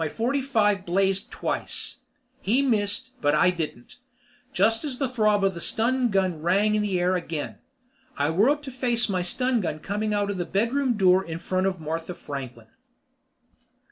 My forty five blazed twice. He missed but I didn't, just as the throb of the stun gun rang the air again. I whirled to face my stun gun coming out of the bedroom door in front of Martha Franklin.